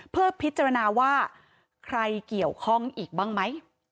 เพื่อพิจารณาว่าใครเกี่ยวข้องอีกบ้างไหม